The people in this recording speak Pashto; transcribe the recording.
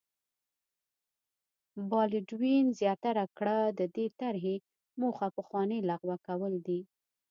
بالډوین زیاته کړه د دې طرحې موخه پخوانۍ لغوه کول دي.